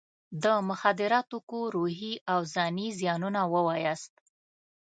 د مخدره توکو روحي او ځاني زیانونه ووایاست.